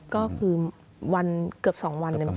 ก็คือเกือบ๒วัน